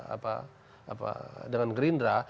apa apa dengan gerindra